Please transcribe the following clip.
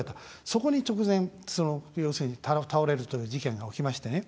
そこに、要するに倒れるという事件が起きましてね。